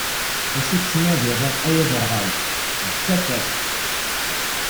D acu i tettnadi-ḍ ay aderɣal? D tafat.